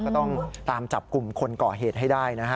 ก็ต้องตามจับกลุ่มคนก่อเหตุให้ได้นะฮะ